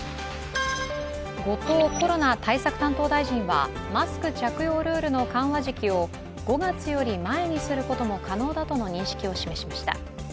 後藤コロナ対策担当大臣はマスク着用ルールの緩和時期を５月より前にすることも可能だとの認識を示しました。